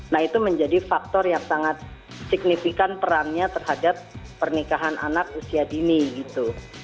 nah itu menjadi faktor yang sangat signifikan perangnya terhadap pernikahan anak usia dini gitu